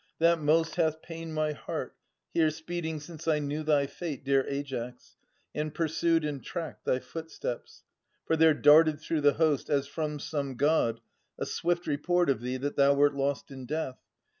that most Hath pained my heart, here speeding since I knew Thy fate, dear Aias, and pursued and tracked Thy footsteps. For there darted through the host, As from some God, a swift report of thee That thou wert lost in death.